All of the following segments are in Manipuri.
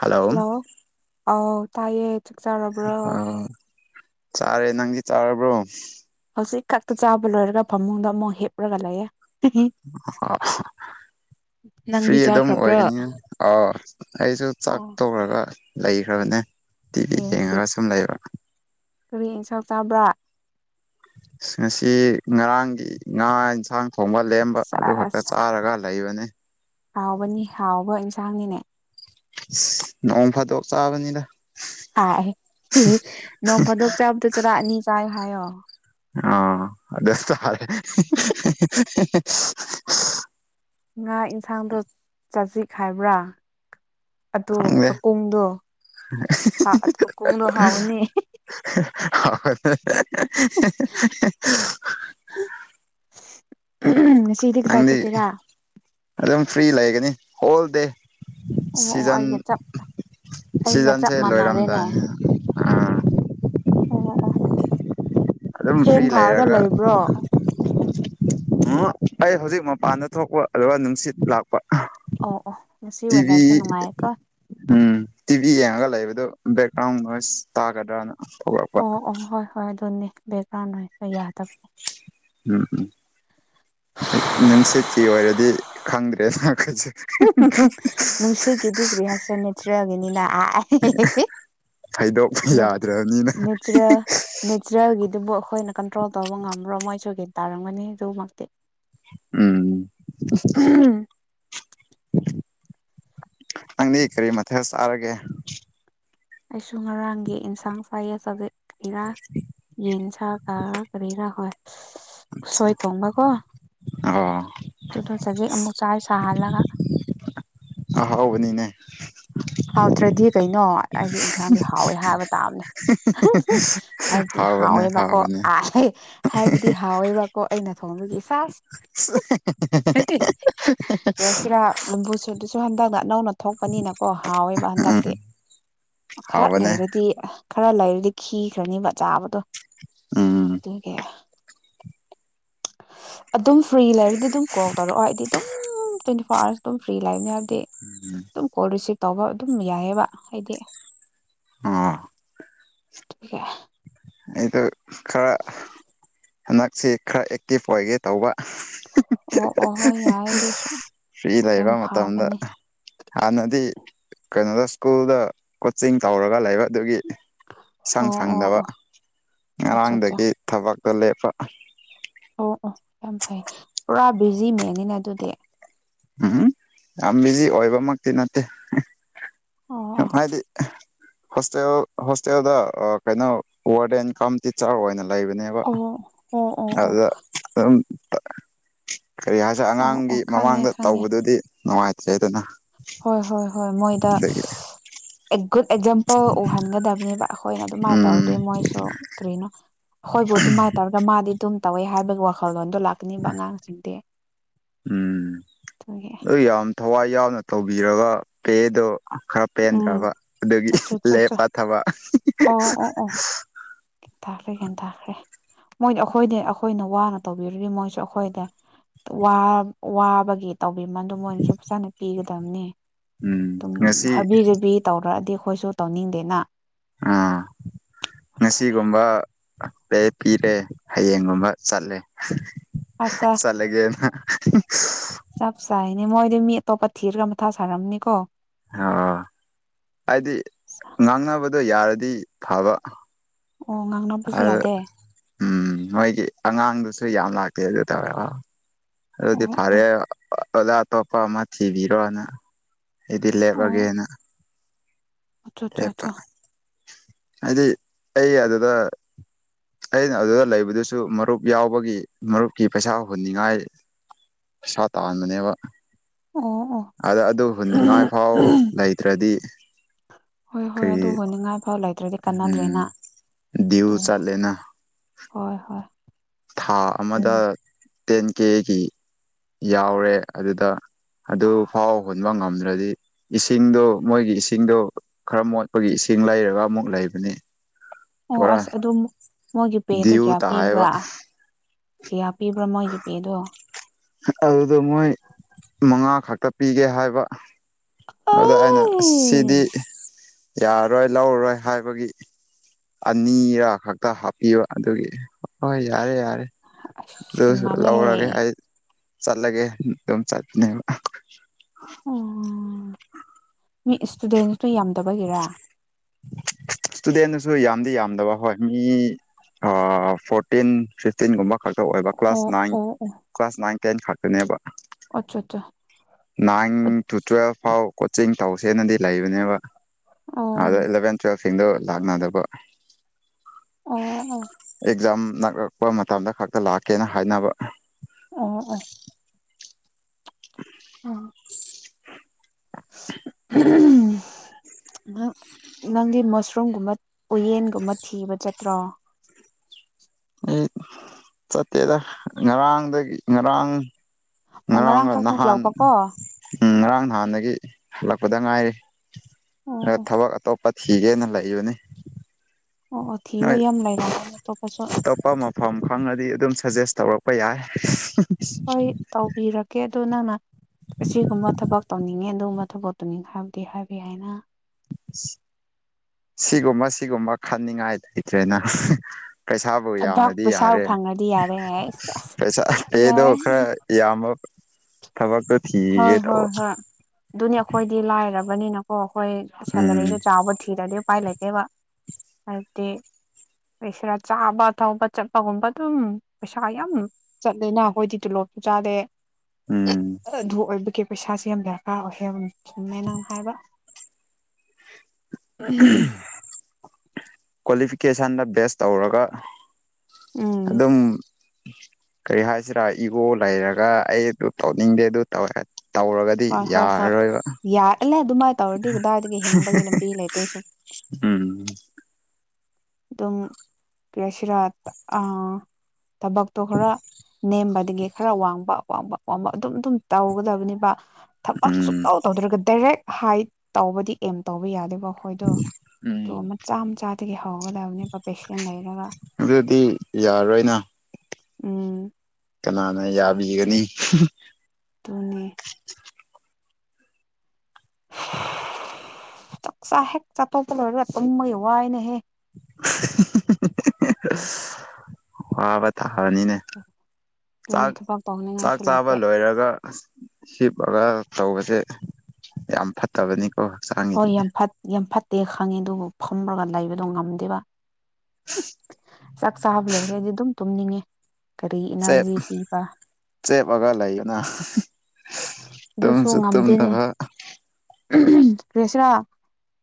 ꯍꯜꯂꯣ ꯑꯥꯎ ꯇꯥꯏꯌꯦ ꯆꯛꯆꯔꯕ꯭ꯔꯣ ꯑ ꯆꯥꯔꯦ ꯅꯪꯗꯤ ꯆꯥꯔꯕ꯭ꯔꯣ ꯍꯧꯖꯤꯛ ꯈꯛꯇ ꯆꯥꯕ ꯂꯣꯏꯔꯒ ꯐꯃꯨꯡꯗꯣ ꯑꯃꯨꯛ ꯍꯦꯞꯂꯒ ꯂꯩꯌꯦ ꯑꯣ ꯐ꯭ꯔꯤ ꯅꯪꯗꯤ ꯑꯗꯨꯝ ꯆꯥꯈ꯭ꯔꯕ꯭ꯔꯣ ꯑꯣꯏꯒꯅꯤꯅ ꯑꯥꯎ ꯑꯩꯁꯨ ꯆꯥꯛ ꯑꯣ ꯇꯧꯔꯒ ꯂꯩꯈ꯭ꯔꯕꯅꯦ ꯇꯤꯚꯤ ꯑꯦ ꯀꯔꯤ ꯌꯦꯡꯉꯒ ꯁꯨꯝ ꯂꯩꯕ ꯀꯔꯤ ꯏꯟꯁꯥꯡ ꯆꯥꯕ꯭ꯔꯥ ꯉꯁꯤ ꯉꯔꯥꯡꯒꯤ ꯉꯥꯔꯥꯡ ꯏꯟꯁꯥꯡ ꯊꯣꯡꯕ ꯂꯦꯝꯕ ꯑꯗꯨ ꯈꯛꯇ ꯑꯁ ꯆꯥꯔꯒ ꯂꯩꯕꯅꯤ ꯇꯥꯡꯉꯤꯅꯦ ꯏꯁ ꯅꯣꯡ ꯐꯗꯣꯛ ꯆꯥꯕꯅꯤꯗ ꯍꯥꯏ ꯅꯣꯡ ꯐꯥꯗꯣꯛ ꯆꯥꯕꯗꯣ ꯆꯥꯔ ꯑꯅꯤ ꯆꯥꯏ ꯍꯥꯏꯌꯣ ꯑꯥ ꯑꯗꯨꯁꯨ ꯍꯥꯏꯌꯦ ꯈꯥꯏꯕ꯭ꯔꯥꯑꯗꯨ ꯀꯥꯀꯣꯡꯗꯣ ꯍꯥꯎꯕꯅꯦ [inaudible] ꯉꯁꯤꯗꯤ ꯀꯗꯥꯏ ꯅꯪꯗꯤ ꯆꯠꯀꯦꯔ ꯑꯗꯨꯝ ꯐ꯭ꯔꯤ ꯂꯩꯒꯅꯤ ꯍꯣꯜ ꯗꯦ ꯑꯣ ꯑꯣ ꯁꯤꯖꯟ ꯑꯩꯒ ꯆꯞ ꯑꯩꯒ ꯆꯞ ꯁꯤꯖꯟꯁꯦ ꯃꯥꯟꯅꯔꯦꯅꯦ ꯂꯣꯏꯔꯝꯗꯥꯏꯅꯤꯅ ꯑꯥ ꯑꯣꯑꯣ ꯑꯗꯨꯝ ꯐ꯭ꯔꯤ ꯂꯩꯔꯒ ꯎꯝ ꯑꯩ ꯍꯧꯖꯤꯛ ꯃꯄꯥꯟꯗ ꯊꯣꯛꯄ ꯑꯗꯨꯒ ꯅꯨꯡꯁꯤꯠ ꯂꯥꯛꯄ ꯄ ꯑꯣ ꯑꯣ ꯉꯁꯤ ꯇꯤꯚꯤ ꯋꯦꯗꯔꯁꯦ ꯅꯨꯡꯉꯥꯏꯀꯣ ꯎꯝ ꯇꯤꯚꯤ ꯌꯦꯡꯉꯒ ꯂꯩꯕꯗꯨ ꯕꯦꯛꯒ꯭ꯔꯥꯎꯟ ꯅꯣꯏꯁ ꯇꯒꯗ꯭ꯔꯥꯅ ꯑꯣ ꯑꯣ ꯍꯣꯏ ꯍꯣꯏ ꯑꯗꯨꯅꯦ ꯕꯦꯛꯒ꯭ꯔꯥꯎꯟ ꯅꯣꯏꯁ ꯌꯥꯗꯕ ꯎꯝ ꯎꯝ ꯅꯨꯡꯁꯤ ꯆꯦ ꯑꯣꯏꯔꯗꯤ ꯈꯪꯗ꯭ꯔꯦꯗ ꯍꯝ ꯍꯝ ꯅꯨꯡꯁꯤ ꯒꯤꯗꯤ ꯔꯤꯌꯁꯦꯜ ꯅꯠꯇ꯭ꯔꯦꯒꯦꯅꯤꯅ ꯍꯥꯏꯗꯣꯛꯄ ꯅꯦ ꯌꯥꯗ꯭ꯔꯕꯅꯤꯅ ꯅꯦꯆꯔꯦꯜ ꯅꯦꯆꯔꯦꯜꯒꯤꯗꯨꯕꯨ ꯑꯩꯈꯣꯏꯅ ꯀꯟꯇ꯭ꯔꯣꯜ ꯇꯧꯕ ꯉꯝꯕ꯭ꯔꯣ ꯃꯣꯏ [unintelligible] ꯇꯥꯔꯝꯒꯅꯤ ꯑꯗꯨꯃꯛꯇꯤ ꯎꯝ ꯅꯪꯗꯤ ꯀꯔꯤ ꯃꯊꯦꯜ ꯆꯥꯔꯒꯦ ꯑꯩꯁꯨ ꯉꯔꯥꯡꯒꯤ ꯏꯟꯁꯥꯡ ꯐꯥꯏꯌꯦ ꯆꯖꯛ ꯏꯔꯥ ꯌꯦꯟ ꯁꯥꯒ ꯀꯔꯤꯔꯥ ꯍꯣꯏ ꯎꯁꯣꯏ ꯊꯣꯡꯕ ꯀꯣ ꯑꯣ ꯑꯗꯨꯗꯣ ꯆꯥꯖꯤꯛ ꯑꯃꯨꯛ ꯆꯥꯏ ꯁꯥꯍꯜꯂꯒ ꯑꯥ ꯍꯥꯎꯕꯅꯤꯅꯦ ꯍꯥꯎꯇ꯭ꯔꯗꯤ ꯀꯩꯅꯣ ꯑꯩꯒꯤ ꯏꯟꯁꯥꯡꯗꯤ ꯍꯥꯎꯋꯦ ꯍꯥꯏꯕ ꯇꯥꯕꯅꯦ ꯍꯥꯏꯕꯗꯤ ꯍꯥꯎꯕꯅꯦ ꯍꯥꯎꯋꯦꯕꯀꯣ ꯍꯥꯎꯕꯅꯦ ꯑ ꯍꯥꯏꯕꯗꯤ ꯍꯥꯎꯋꯦꯕꯀꯣ ꯑꯩꯅ ꯊꯣꯡꯕꯒꯤ ꯁꯥꯁ [inaudible] [unintelligible] ꯔꯦꯁꯤꯌꯥ ꯂꯝꯕꯨ ꯁꯨꯠꯇꯨꯁꯨ ꯍꯟꯗꯛꯛꯅ ꯅꯧꯅ ꯊꯣꯛꯄꯅꯤꯅ ꯍꯥꯎꯋꯦꯕ ꯎꯝ ꯍꯟꯗꯛꯇꯤ ꯈꯔ ꯍꯥꯎꯕꯅꯦ ꯂꯩꯔꯗꯤ ꯈꯔ ꯂꯩꯔꯗꯤ ꯈꯤꯈ꯭ꯔꯅꯤꯕ ꯆꯥꯕꯗꯣ ꯎꯝ ꯑꯗꯨꯒꯤ ꯑꯗꯨꯝ ꯐ꯭ꯔꯤ ꯂꯩꯔꯗꯤ ꯑꯗꯨꯝ ꯀꯣꯜ ꯇꯧꯔꯛꯑꯣ ꯑꯩꯗꯤ ꯑꯗꯨꯝ ꯇ꯭ꯋꯦꯟꯇꯤ ꯐꯣꯔ ꯑꯋꯥꯔꯁ ꯑꯗꯨꯝ ꯐ꯭ꯔꯤ ꯂꯥꯛꯕꯅꯦ ꯍꯥꯏꯕꯗꯤ ꯑꯗꯨꯝ ꯀꯣꯜ ꯔꯤꯁꯤꯞ ꯇꯧꯕ ꯑꯗꯨꯝ ꯌꯥꯏꯌꯦꯕ ꯍꯥꯏꯗꯤ ꯑ [unintelligible] ꯑꯩꯗꯣ ꯈꯔ ꯍꯟꯗꯛꯁꯤ ꯈꯔ ꯑꯦꯛꯇꯤꯞ ꯑꯣꯏꯒꯦ ꯇꯧꯕ ꯑꯣ ꯑꯣ [unintelligible] ꯍꯣꯏ ꯌꯥꯏ ꯑꯗꯨꯁꯨ [unintelligible] ꯐ꯭ꯔꯤ ꯌꯥꯝ ꯂꯩꯕ ꯃꯇꯝꯗ ꯐꯕꯅꯦ ꯍꯥꯟꯅꯗꯤ ꯀꯩꯅꯣꯗ ꯁ꯭ꯀꯨꯜꯗ ꯀꯣꯆꯤꯡ ꯇꯧꯔꯒ ꯂꯩꯕ ꯑꯗꯨꯒꯤ ꯏꯁꯪ ꯑꯣ ꯑꯣ ꯁꯪꯗꯕ ꯑꯣ ꯑꯠꯆꯥ ꯑꯠꯆꯥ ꯉꯔꯥꯡꯗꯩꯗꯤ ꯊꯕꯛꯇꯣ ꯂꯦꯞꯄ ꯑꯣ ꯑꯣ ꯌꯥꯝ ꯐꯩ ꯄꯨꯔꯥ ꯕꯤꯖꯤꯃꯦꯟꯅꯤꯅꯦ ꯑꯗꯨꯗꯤ [unintelligible] ꯌꯥꯝ ꯕꯤꯖꯤ ꯑꯣꯏꯕ ꯃꯛꯇꯤ ꯅꯠꯇꯦ ꯑꯣ ꯁꯨꯝ ꯑꯣ ꯍꯥꯏꯗꯤ ꯑꯦ ꯍꯣꯁꯇꯦꯜ ꯍꯣꯁꯇꯦꯜꯗ ꯀꯩꯅꯣ ꯋꯥꯔꯗꯦꯟ ꯀꯝ ꯇꯤꯆꯔ ꯑꯣꯏꯅ ꯂꯩꯕꯅꯦꯕ ꯑꯣ ꯑꯣ ꯑꯣ ꯑꯣ ꯑꯗꯨꯗ ꯑꯗꯨꯝ ꯀꯔꯤ ꯍꯥꯏꯁꯦꯔꯥ ꯑꯣ ꯑꯉꯥꯡꯒꯤ ꯑꯣ ꯈꯪꯉꯦ ꯃꯃꯥꯡꯗ ꯈꯪꯉꯦ ꯇꯧꯕꯗꯨꯗꯤ ꯅꯨꯡꯉꯥꯏꯇ꯭ꯔꯦꯗꯅ ꯍꯣꯏ ꯍꯣꯏ ꯍꯣꯏ ꯃꯣꯏꯗ ꯑꯗꯒꯤ ꯑꯦ ꯒꯨꯗ ꯑꯦꯛꯖꯥꯝꯄꯜ ꯎꯍꯟꯒꯗꯝꯅꯦꯕ ꯑꯩꯈꯣꯏꯅ ꯑꯗꯨꯃꯥꯏꯅ ꯎꯝ ꯇꯧꯔꯗꯤ ꯃꯣꯏꯁꯨ ꯀꯔꯤꯅꯣ ꯑꯩꯈꯣꯏꯕꯨ ꯑꯗꯨꯃꯥꯏꯅ ꯇꯧꯔꯒ ꯃꯥꯗꯤ ꯑꯗꯨꯝ ꯇꯧꯋꯦ ꯍꯥꯏꯕ ꯋꯥꯈꯜꯂꯣꯟꯗꯣ ꯂꯥꯛꯀꯅꯤꯕ ꯑꯉꯥꯡꯁꯤꯡꯗꯤ ꯎꯝ ꯑꯗꯨꯒꯤ ꯅꯣꯏ ꯌꯥꯝ ꯊꯋꯥꯏ ꯌꯥꯎꯅ ꯇꯧꯕꯤꯔꯒ ꯄꯦꯗꯣ ꯈꯔ ꯎꯝ ꯄꯦꯟꯗ꯭ꯔꯕ ꯑꯗꯨꯒꯤ ꯑꯆꯣ ꯆꯣ ꯆꯣ ꯂꯦꯞꯄ ꯊꯕꯛ [unintelligible] [inaudible] ꯇꯥꯛꯈ꯭ꯔꯦ ꯒ꯭ꯌꯥꯟ ꯇꯥꯈ꯭ꯔꯦ ꯃꯣꯏꯗꯤ ꯑꯩꯈꯣꯏꯗꯤ ꯑꯩꯈꯣꯏꯅ ꯋꯥꯅ ꯇꯧꯕꯤꯔꯗꯤ ꯃꯣꯏꯁꯨ ꯑꯩꯈꯣꯏꯗ ꯋꯥ ꯋꯥꯕꯒꯤ ꯇꯧꯕꯤꯃꯟꯗꯨ ꯃꯣꯏꯅꯁꯨ ꯐꯖꯟꯅ ꯄꯤꯒꯗꯝꯅꯦ ꯎꯝ ꯗꯨꯝ ꯉꯁꯤ ꯍꯥꯕꯤꯖꯥꯕꯤ ꯇꯧꯔꯛꯑꯗꯤ ꯑꯩꯈꯣꯏꯁꯨ ꯇꯧꯅꯤꯡꯗꯦꯅ ꯑꯥ ꯑꯗꯨꯅꯦ ꯉꯁꯤꯒꯨꯝꯕ ꯄꯦ ꯄꯤꯔꯦ ꯍꯌꯦꯡꯒꯨꯝꯕ ꯆꯠꯂꯦ [unintelligible] ꯑꯁ ꯆꯠꯂꯒꯦꯅ [unintelligible] ꯆꯞ ꯆꯥꯏꯅꯦ ꯃꯣꯏꯗꯤ ꯃꯤ ꯑꯇꯣꯞꯄ ꯊꯤꯔ ꯃꯊꯥ ꯁꯥꯔꯝꯅꯤ ꯀꯣ ꯑ ꯍꯥꯏꯗꯤ ꯉꯥꯡꯅꯕꯗ ꯌꯥꯔꯗꯤ ꯐꯕ ꯑꯣ ꯉꯥꯡꯅꯕꯁꯨ ꯑꯗ ꯌꯥꯗꯦ ꯎꯝ ꯃꯣꯏꯒꯤ ꯑꯉꯥꯡꯗꯨꯁꯨ ꯌꯥꯝ ꯂꯥꯛꯇꯦ ꯑꯗꯨꯗ ꯑꯗꯨꯗꯤ ꯑꯣ ꯐꯔꯦ ꯑꯣ ꯑꯣꯖꯥ ꯑꯇꯣꯞꯄ ꯑꯃ ꯊꯤꯕꯤꯔꯣꯅ ꯑꯩꯗꯤ ꯑꯣ ꯂꯦꯞꯂꯒꯦꯅ ꯑꯆꯥ ꯆꯥ ꯆꯥ ꯍꯥꯏꯗꯤ ꯑꯩ ꯑꯗꯨꯗ ꯑꯩꯅ ꯑꯗꯨꯗ ꯂꯩꯕꯗꯨꯁꯨ ꯃꯔꯨꯞ ꯌꯥꯎꯕꯒꯤ ꯃꯔꯨꯞꯀꯤ ꯄꯩꯁꯥ ꯍꯨꯟꯅꯤꯡꯉꯥꯏ ꯄꯩꯁꯥ ꯇꯥꯟꯕꯅꯦꯕ ꯑꯣ ꯑꯣ ꯑꯗ ꯑꯗꯨ ꯍꯨꯅꯤꯡꯉꯥꯏ ꯐꯥꯎ ꯂꯩꯇ꯭ꯔꯗꯤ ꯍꯣꯏ ꯍꯣꯏ ꯀꯔꯤ ꯑꯗꯨ ꯍꯨꯟꯅꯤꯉꯥꯏꯐꯧ ꯂꯩꯇ꯭ꯔꯗꯤ ꯎꯝ ꯀꯥꯟꯅꯗ꯭ꯔꯦꯅ ꯗ꯭ꯌꯨ ꯑꯗꯨꯅꯤ ꯆꯠꯂꯦꯅ ꯍꯣꯏ ꯍꯣꯏ ꯊꯥ ꯑꯃꯗ ꯑꯗꯨꯅꯤ ꯇꯦꯟ ꯀꯦꯒꯤ ꯌꯥꯎꯔꯦ ꯑꯗꯨꯗ ꯑꯗꯨ ꯐꯥꯎ ꯍꯨꯟꯕ ꯉꯝꯗ꯭ꯔꯗꯤ ꯏꯁꯤꯡꯗꯣ ꯃꯣꯏꯒꯤ ꯏꯁꯤꯡꯗꯣ ꯈꯔ ꯃꯣꯠꯄꯒꯤ ꯏꯁꯤꯡ ꯂꯩꯔꯒ ꯑꯃꯨꯛ ꯂꯩꯕꯅꯤ ꯑꯣ ꯄꯨꯔꯥ ꯑꯁ ꯑꯗꯨꯃꯨꯛ ꯃꯣꯏꯒꯤ ꯄꯦꯗꯣ ꯗ꯭ꯌꯨ ꯀ꯭ꯌꯥ ꯇꯥꯏꯕ ꯄꯤꯕ꯭ꯔꯥ ꯀ꯭ꯌꯥ ꯄꯤꯕ꯭ꯔꯥ ꯃꯣꯏꯒꯤ ꯄꯦꯗꯣ ꯑꯗꯨꯗ ꯃꯣꯏ ꯃꯉꯥ ꯈꯛꯇ ꯄꯤꯒꯦ ꯍꯥꯏꯕ ꯑꯗ ꯑꯩꯅ ꯁꯤꯗꯤ ꯑꯩ ꯌꯥꯔꯣꯏ ꯂꯧꯔꯔꯣꯏ ꯍꯥꯏꯕꯒꯤ ꯑꯅꯤꯔ ꯈꯛꯇ ꯍꯥꯞꯄꯤꯕ ꯑꯗꯨꯒꯤ ꯍꯣꯏ ꯌꯥꯔꯦ ꯌꯥꯔꯦ ꯑꯗꯨ ꯑꯁ ꯑꯣꯏꯁꯨ ꯂꯧꯔꯒꯦ ꯍꯦꯟꯃꯜꯂꯦꯍꯦ ꯑꯩ ꯆꯠꯂꯒꯦ ꯗꯨꯝ ꯆꯠꯄꯅꯦꯕ ꯑꯣ ꯃꯤ ꯏꯁꯇꯨꯗꯦꯟꯁꯇꯨ ꯌꯥꯝꯗꯕꯒꯤꯔꯥ ꯁꯨ ꯌꯥꯝꯗꯤ ꯌꯥꯝꯗꯕ ꯍꯣꯏ ꯃꯤ ꯑꯥ ꯐꯣꯔꯇꯤꯟ ꯐꯤꯐꯇꯤꯟꯒꯨꯝꯕ ꯈꯛꯇ ꯑꯣꯏꯕ ꯀ꯭ꯂꯥꯁ ꯑꯣ ꯅꯥꯏꯟ ꯑꯣ ꯀ꯭ꯂꯥꯁ ꯅꯥꯏꯟ ꯇꯦꯟ ꯈꯛꯇꯅꯦꯕ ꯑꯆꯥ ꯆꯥ ꯅꯥꯏꯟ ꯇꯨ ꯇꯨꯋꯦꯜꯚ ꯐꯥꯎ ꯀꯣꯆꯤꯡ ꯇꯧꯁꯦꯅꯗꯤ ꯂꯩꯕꯅꯦꯕ ꯑꯣ ꯑꯗ ꯏꯂꯕꯦꯟ ꯇ꯭ꯋꯦꯜꯐ ꯁꯤꯡꯗꯨ ꯂꯥꯛꯅꯗꯕ ꯑꯥ ꯑꯥ ꯑꯦꯛꯖꯥꯝ ꯅꯛꯔꯛꯄ ꯃꯇꯝꯗ ꯈꯛꯇ ꯂꯥꯛꯀꯦꯅ ꯍꯥꯏꯅꯕ ꯎꯝ ꯑ [inaudible] ꯑꯍꯝ ꯅꯪ ꯅꯪꯒꯤ ꯃꯁꯔꯨꯝꯒꯨꯝꯕ ꯎꯌꯦꯟꯒꯨꯝꯕ ꯊꯤꯕ ꯆꯠꯇ꯭ꯔꯣ ꯑꯩ ꯆꯠꯇꯦꯗ ꯉꯔꯥꯡ ꯗꯒꯤ ꯉꯔꯥꯡ ꯑꯣ ꯉꯔꯥꯡ ꯉꯔꯥꯡꯂ ꯈꯛ ꯅꯍꯥꯟ ꯊꯣꯛꯂꯛꯄꯀꯣ ꯑꯣ ꯎꯝ ꯉꯔꯥꯡ ꯅꯍꯥꯟꯗꯒꯤ ꯍꯜꯂꯛꯄꯗ ꯉꯥꯏꯔꯤ ꯈꯔ ꯑꯣ ꯊꯕꯛ ꯑꯇꯣꯞꯄ ꯊꯤꯒꯦꯅ ꯂꯩꯕꯅꯤ ꯑꯣ ꯑꯣ ꯊꯤꯌꯣ ꯅꯣꯏ ꯌꯥꯝ ꯂꯩꯔꯝꯒꯅꯤ ꯑꯇꯣꯞꯄꯁꯨ ꯑꯇꯣꯞꯄ ꯃꯐꯝ ꯈꯪꯉꯗꯤ ꯑꯗꯨꯝ ꯁꯖꯦꯁ ꯇꯧꯔꯛꯄ ꯌꯥꯏ ꯍꯣꯏ ꯇꯧꯕꯤꯔꯛꯀꯦ ꯑꯗꯨ ꯅꯪꯅ ꯑꯁꯤꯒꯨꯝꯕ ꯊꯕꯛ ꯇꯧꯅꯤꯡꯉꯦ ꯑꯗꯨꯝꯕ ꯊꯕꯛꯇꯨꯅꯤꯡ ꯍꯥꯏꯕꯗꯤ ꯍꯥꯏꯕ ꯌꯥꯏꯅ ꯍꯥꯞꯅꯤꯡꯉꯥꯏ ꯂꯩꯇ꯭ꯔꯦꯅ ꯄꯩꯁꯥꯕꯨ ꯊꯕꯛ ꯌꯥꯝꯃꯗꯤ ꯄꯩꯁꯥꯕꯨ ꯌꯥꯔꯦ ꯐꯪꯉꯗꯤ ꯌꯥꯔꯦ ꯑꯁ ꯑꯁ ꯄꯩꯁꯥ ꯄꯦꯗꯣ ꯌꯥꯔꯦ ꯈꯔ ꯌꯥꯝꯕ ꯊꯕꯛꯇꯣ ꯊꯤꯒꯦ ꯍꯣꯏ ꯍꯣꯏ ꯇꯧꯕ ꯍꯣꯏ ꯑꯗꯨꯅꯤ ꯑꯩꯈꯣꯏꯗꯤ ꯂꯥꯏꯔꯕ ꯕꯅꯤꯅꯀꯣ ꯑꯩꯈꯣꯏ ꯎꯝ ꯁꯦꯜꯂꯔꯤꯗꯣ ꯆꯥꯎꯕ ꯊꯤꯗ꯭ꯔꯗꯤ ꯎꯄꯥꯏ ꯂꯩꯇꯦꯕ ꯍꯥꯏꯕꯗꯤ ꯄꯩꯁꯤꯔꯥ ꯆꯥꯕ ꯊꯧꯕ ꯆꯠꯄꯒꯨꯝꯕ ꯑꯗꯨꯝ ꯄꯩꯁꯥ ꯌꯥꯝ ꯆꯠꯂꯦꯅ ꯑꯩꯈꯣꯏꯗꯤ ꯇꯨꯂꯣꯞ ꯆꯥꯗꯦ ꯎꯝ ꯑꯗꯨ ꯑꯣꯏꯕꯒꯤ ꯄꯩꯁꯥꯥꯁꯦ ꯌꯥꯝ ꯗꯔꯀꯥꯔ ꯑꯣꯏꯍꯝ ꯆꯨꯝꯃꯦ ꯅꯪ ꯍꯥꯏꯕ ꯎꯍꯝ ꯀ꯭ꯋꯥꯂꯤꯐꯤꯀꯦꯁꯟꯗ ꯕꯦꯁ ꯇꯧꯔꯒ ꯎꯝ ꯑꯗꯨꯝ ꯀꯔꯤ ꯍꯥꯏꯁꯤꯔꯥ ꯏꯒꯣ ꯂꯩꯔꯒ ꯑꯩ ꯑꯗꯨ ꯇꯧꯅꯤꯡꯗꯦ ꯑꯗꯨ ꯇꯧꯋꯦ ꯇꯧꯔꯒꯗꯤ ꯍꯣꯏ ꯍꯣꯏ ꯍꯣꯏ ꯌꯥꯔꯔꯣꯏꯕ ꯌꯥꯔꯂꯦ ꯑꯗꯨꯃꯥꯏꯅ ꯇꯧꯔꯗꯤ ꯀꯗꯥꯏꯗꯒꯤ ꯍꯤꯡꯕꯒꯤ ꯂꯝꯕꯤ ꯂꯩꯇꯦ ꯁꯨꯝ ꯎꯝ ꯑꯗꯨꯝ ꯀ꯭ꯔꯤ ꯍꯥꯏꯁꯤꯔꯥ ꯇ ꯑꯥ ꯊꯕꯛꯇꯣ ꯈꯔ ꯅꯦꯝꯕꯗꯒꯤ ꯈꯔ ꯋꯥꯡꯕ ꯋꯥꯡꯕ ꯋꯥꯡꯕ ꯑꯗꯨꯝ ꯑꯗꯨꯝ ꯇꯧꯒꯗꯕꯅꯦꯕꯥ ꯊꯕꯛ ꯎꯝ ꯁꯨꯛꯇꯧ ꯇꯧꯗ꯭ꯔꯒ ꯗꯥꯏꯔꯦꯛ ꯍꯥꯏꯠ ꯇꯧꯕꯗꯤ ꯑꯦꯝ ꯇꯧꯕ ꯌꯥꯗꯦꯕ ꯕꯍꯣꯏꯗꯣ ꯎꯝ ꯇꯣꯂꯣꯞ ꯃꯆꯥ ꯆꯥꯗꯒꯤ ꯑꯗꯨꯗꯤ ꯌꯥꯔꯣꯏꯅꯥ ꯎꯝ ꯀꯅꯥꯅ ꯌꯥꯕꯤꯒꯅꯤ ꯇꯨꯅꯦ [inaudible] ꯆꯥꯛꯆꯥꯥ ꯍꯦꯛ ꯆꯥ ꯇꯣꯛꯄ ꯂꯣꯏꯔꯒ ꯇꯨꯝꯕꯒꯤ ꯋꯥꯏꯅꯦꯍꯦ [unintelligible] ꯋꯥꯕ ꯇꯥ ꯐꯅꯤꯅꯦ ꯑꯗꯨꯅꯦ ꯆꯥꯛ ꯊꯕꯛ ꯆꯥꯛ ꯇꯧꯅꯤꯡꯉꯥꯏꯁꯨ ꯆꯥꯕ ꯂꯩꯇꯦ ꯂꯣꯏꯔꯒ ꯑꯁ ꯍꯤꯞꯂꯒ ꯇꯧꯕꯁꯦ ꯌꯥꯝ ꯐꯠꯇꯕꯅꯤ ꯍꯣꯏ ꯌꯥꯝ ꯐꯠ ꯌꯥꯝ ꯐꯠꯇꯦ ꯈꯪꯉꯦ ꯑꯗꯨꯕꯨ ꯐꯝꯔꯒ ꯂꯩꯕꯗꯣ ꯉꯝꯗꯦꯕꯥ ꯆꯥꯛ ꯆꯥꯕ ꯂꯣꯏꯔꯒ ꯑꯩꯗꯤ ꯑꯗꯨꯝ ꯇꯨꯝꯅꯤꯡꯉꯦ ꯀꯔꯤ ꯆꯦꯞ ꯏꯅꯔꯖꯤ ꯄꯤꯕꯥ ꯆꯦꯞꯑꯒ ꯂꯩꯕꯅ ꯑꯗꯨꯁꯨ ꯇꯨꯝꯁꯨ ꯉꯝꯗꯦꯅꯦ ꯇꯨꯝꯗꯕ ꯀ꯭ꯔꯦꯁꯦꯔꯥ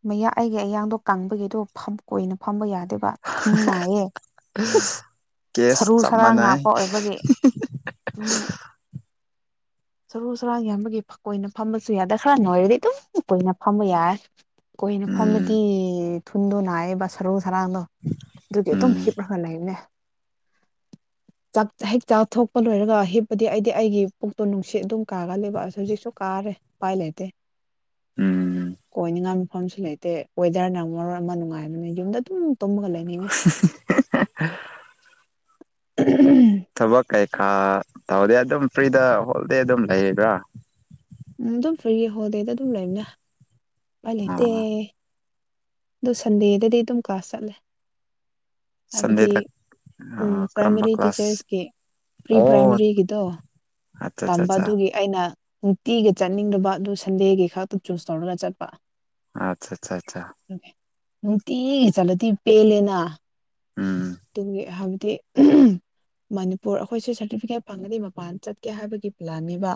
ꯃꯌꯥ ꯑꯩꯒꯤ ꯑꯌꯥꯡꯗꯣ ꯀꯪꯕꯒꯤꯗꯣ ꯐꯞ ꯑꯣꯏꯅ ꯐꯝꯕ ꯌꯥ ꯗꯦꯕꯤ ꯊꯨꯟ ꯅꯥꯏꯌꯦ ꯍꯦ ꯀꯦꯁ ꯁꯔꯨ ꯆꯞ ꯁꯔꯥꯡ ꯃꯥꯟꯅꯩ ꯉꯥꯛꯇ ꯑꯣꯏꯕꯒꯤ ꯇꯨꯝꯅꯤꯡ ꯁꯔꯨ ꯁꯔꯥꯡ ꯌꯥꯝꯕꯒꯤ ꯐꯛ ꯑꯣꯏꯅ ꯐꯝꯕꯁꯨ ꯌꯥꯗ ꯈꯔꯅ ꯅꯣꯏꯔꯗꯤ ꯑꯗꯨꯝ ꯀꯨꯏꯅ ꯐꯝꯕ ꯌꯥꯏ ꯀꯨꯏꯅ ꯎꯝ ꯐꯝꯃꯗꯤ ꯊꯨꯟꯗꯣ ꯅꯥꯏꯑꯦꯕ ꯁꯔꯨ ꯁꯔꯥꯡꯗꯣ ꯑꯗꯨꯒꯤ ꯑꯗꯨꯝ ꯎꯝ ꯍꯤꯞꯂꯒ ꯂꯩꯕꯅꯦ ꯆꯥꯛ ꯍꯦꯛ ꯆꯥ ꯊꯣꯛꯄ ꯂꯣꯏꯔꯒ ꯍꯤꯞꯄꯗꯤ ꯑꯩꯗꯤ ꯑꯩꯒꯤ ꯄꯨꯛ ꯇꯣ ꯅꯨꯡꯁꯤꯠ ꯑꯗꯨꯝ ꯀꯥꯒꯜꯂꯦꯕꯥ ꯑꯁ ꯍꯧꯖꯤꯛꯁꯨ ꯀꯥꯔꯦ ꯄꯥꯏ ꯂꯩꯇꯦ ꯎꯝ ꯀꯣꯏꯅꯤꯡꯉꯥꯏ ꯃꯐꯝꯁꯨ ꯂꯩꯇꯦ ꯋꯦꯗꯔꯅ ꯃꯔꯣꯟ ꯑꯃ ꯅꯨꯡꯉꯥꯏꯕꯅꯦ ꯌꯨꯝꯗ ꯑꯗꯨꯝ ꯇꯨꯝꯃꯒ ꯂꯩꯅꯤꯡꯉꯦ ꯍ ꯍ ꯍ ꯊꯕꯛ ꯀꯩꯀꯥ ꯇꯧꯗꯦ ꯑꯗꯨꯝ ꯐ꯭ꯔꯤꯗꯥ ꯍꯣꯜꯗꯦ ꯑꯗꯨꯝ ꯂꯩꯕ꯭ꯔꯥ ꯎꯝ ꯑꯗꯨꯝ ꯐ꯭ꯔꯤꯌꯦ ꯍꯣꯜꯗꯦꯗ ꯑꯗꯨꯝ ꯂꯩꯕꯅꯦ ꯎꯄꯥꯏ ꯂꯩꯇꯦ ꯑꯣ ꯑꯗꯨ ꯁꯟꯗꯦꯗꯗꯤ ꯑꯗꯨꯝ ꯀ꯭ꯂꯥꯁ ꯆꯠꯂꯦ ꯍꯥꯏꯕꯗꯤ ꯁꯟꯗꯦꯗ ꯎꯝ ꯀꯔꯝꯕ ꯄ꯭ꯔꯥꯏꯃꯔꯤ ꯀ꯭ꯂꯥꯁ ꯇꯤꯆꯔꯁꯀꯤ ꯄ꯭ꯔꯤ ꯑꯣ ꯄ꯭ꯔꯥꯏꯃꯔꯤꯒꯤꯗꯣ ꯑꯠꯆꯥ ꯑꯠꯆꯥ ꯇꯝꯕ ꯑꯠꯆꯥ ꯑꯗꯨꯒꯤ ꯑꯩꯅꯥ ꯅꯨꯡꯇꯤꯒꯤ ꯆꯠꯅꯤꯡꯗꯕꯥ ꯑꯗꯨ ꯁꯟꯗꯦꯒꯤ ꯈꯥꯛꯇ ꯆꯨꯁ ꯇꯧꯔꯒ ꯆꯠꯄ ꯑꯆꯥ ꯆꯥ ꯆꯥ ꯅꯨꯡꯇꯤꯒꯤ ꯆꯠꯂꯗꯤ ꯄꯦꯜꯂꯦꯅꯥ ꯎꯝ ꯑꯗꯨꯒꯤ ꯍꯥꯏꯕꯗꯤ ꯃꯅꯤꯄꯨꯔ ꯑꯈꯣꯏꯁꯦ ꯁꯥꯔꯇꯤꯐꯤꯀꯦꯠ ꯐꯪꯉꯗꯤ ꯃꯄꯥꯟ ꯆꯠꯀꯦ ꯍꯥꯏꯕꯒꯤ ꯄ꯭ꯂꯥꯟꯅꯦꯕꯥ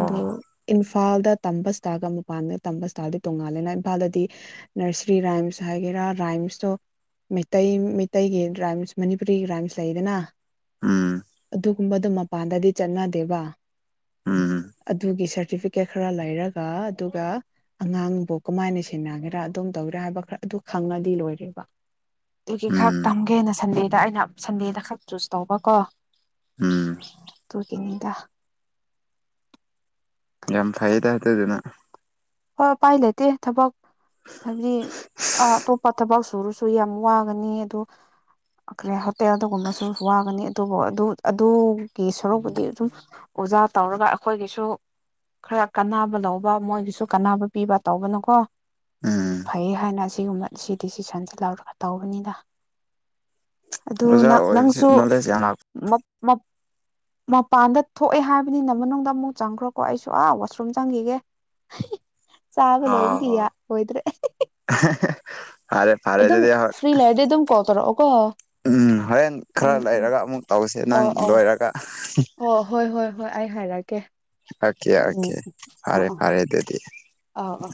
ꯑꯗꯣ ꯏꯟꯐ ꯏꯝꯐꯥꯜꯗ ꯇꯝꯕ ꯁ꯭ꯇꯥꯏꯜꯒ ꯃꯄꯥꯟꯗ ꯇꯝꯕ ꯁ꯭ꯇꯥꯏꯜꯗꯤ ꯇꯣꯡꯉꯥꯜꯂꯦꯅꯦ ꯏꯝꯐꯥꯜꯗꯗꯤ ꯅꯔꯁꯔꯤ ꯔꯥꯏꯝꯁ ꯍꯥꯏꯒꯦ ꯔꯥ ꯔꯥꯏꯝꯁꯇꯣ ꯃꯩꯇꯩ ꯃꯩꯇꯩꯒꯤ ꯔꯥꯏꯝꯁ ꯃꯅꯤꯄꯨꯔꯤꯒꯤ ꯔꯥꯏꯝꯁ ꯂꯩꯗꯅꯥ ꯎꯝ ꯑꯗꯨꯒꯨꯝꯕꯗꯣ ꯃꯄꯥꯟꯗꯗꯤ ꯆꯠꯅꯗꯦꯕꯥ ꯎꯝ ꯑꯗꯨꯒꯤꯁꯦ ꯇꯤꯐꯤꯀꯦꯠ ꯈꯔ ꯂꯩꯔꯒꯥ ꯑꯗꯨꯒꯥ ꯑꯉꯥꯡꯕꯨ ꯀꯃꯥꯏꯅ ꯁꯦꯟꯅꯒꯦꯔꯥ ꯑꯗꯨꯝ ꯇꯧꯌꯤꯔꯥ ꯍꯥꯏꯕ ꯈꯔ ꯑꯗꯨ ꯈꯪꯂꯗꯤ ꯂꯣꯏꯔꯦꯕꯥ ꯗꯨꯒꯤ ꯈꯛ ꯎꯝ ꯅ ꯁꯟꯗꯦꯗ ꯑꯩꯅ ꯁꯟꯗꯦꯗ ꯈꯛ ꯆꯨꯁ ꯇꯧꯕꯀꯣ ꯎꯝ ꯇꯥ ꯌꯥꯝ ꯐꯩꯌꯦꯗ ꯑꯗꯨꯗꯅ ꯑ ꯎꯄꯥꯏꯂꯩꯇꯦ ꯊꯕꯛ ꯍꯥꯏꯕꯗꯤ ꯑꯇꯣꯞꯄ ꯊꯕꯛ ꯁꯨꯔꯁꯨ ꯌꯥꯝ ꯋꯥꯒꯅꯤ ꯑꯗꯣ ꯈ꯭ꯔꯦ ꯍꯣꯇꯦꯜꯗꯒꯨꯝꯕꯁꯨ ꯋꯥꯒꯅꯤ ꯑꯗꯨꯕꯨ ꯑꯗꯨꯒꯤ ꯁꯣꯔꯨꯛꯄꯨꯗꯤ ꯑꯗꯨꯝ ꯑꯣꯖꯥ ꯇꯧꯔꯒ ꯑꯈꯣꯏꯒꯤꯁꯨ ꯈꯔ ꯀꯥꯟꯅꯕ ꯂꯧꯕ ꯃꯣꯏꯒꯤꯁꯨ ꯀꯅꯥꯅꯕ ꯄꯤꯕ ꯇꯧꯒꯅꯣꯀꯣ ꯎꯝ ꯐꯩꯌꯦ ꯍꯥꯏꯅ ꯑꯁꯤꯒꯨꯝꯕ ꯁꯤ ꯗꯤꯁꯤꯁꯟꯁꯤ ꯂꯧꯔꯒ ꯇꯧꯕꯅꯤꯗ ꯑꯗꯨ ꯑꯣꯖꯥ ꯑꯣꯏꯕꯁꯦ ꯅꯪꯁꯨ ꯅꯣꯂꯦꯖ ꯌꯥꯝ ꯂꯥꯛꯄ ꯃꯞ ꯃꯞ [inaudible] ꯃꯄꯥꯟꯗ ꯊꯣꯛꯑꯦ ꯍꯥꯏꯕꯅꯤꯅ ꯃꯅꯨꯡꯗ ꯑꯃꯨꯛ ꯆꯪꯈ꯭ꯔꯣꯀꯣ ꯑꯩꯁꯨ ꯑꯥ ꯋꯥꯁꯔꯨꯝ ꯆꯪꯈꯤꯒꯦ ꯆꯥꯕ ꯂꯣꯏꯕꯒꯤꯌꯥ ꯍꯣꯏꯗ꯭ꯔꯦ ꯍꯦ ꯍꯦ ꯑꯗꯨꯝ ꯐ꯭ꯔꯤ ꯂꯩꯔꯗꯤ ꯑꯗꯨꯝ ꯀꯣꯜ ꯇꯧꯔꯛꯑꯣꯀꯣ ꯎꯝ ꯍꯣꯔꯦꯟ ꯈꯔ ꯎꯝ ꯎꯝ ꯂꯩꯔꯒ ꯑꯃꯨꯛ ꯇꯧꯁꯦ ꯅꯪ ꯂꯣꯏꯔꯒ ꯍꯣ ꯍꯣꯏ ꯍꯣꯏ ꯍꯣꯏ ꯑꯩ ꯍꯥꯏꯔꯛꯀꯦ ꯑꯣꯀꯦ ꯎꯝ ꯑꯣꯀꯦ ꯎꯝ ꯑ ꯑꯥ ꯐꯔꯦ ꯑꯥꯎ ꯐꯔꯦ ꯑꯗꯨꯗꯤ ꯑꯥꯎ ꯑꯥ